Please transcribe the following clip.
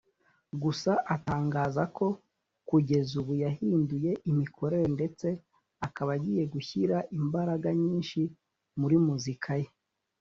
Gusa atangaza ko kugeza ubu yahinduye imikorere ndetse akaba agiye gushyira imbaraga nyinshi muri muzika ye